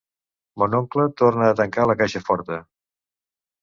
Mon oncle torna a tancar la caixa forta.